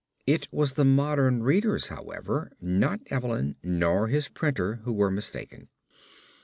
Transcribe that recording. It was the modern readers, however, not Evelyn nor his printer who were mistaken.